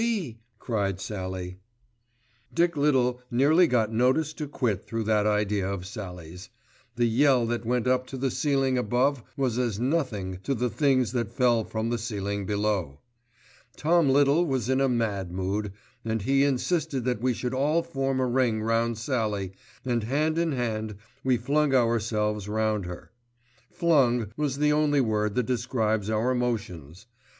B.," cried Sallie. Dick Little nearly got notice to quit through that idea of Sallie's. The yell that went up to the ceiling above was as nothing to the things that fell from the ceiling below. Tom Little was in a mad mood, and he insisted that we should all form a ring round Sallie, and hand in hand we flung ourselves round her; "flung" was the only word that describes our motions.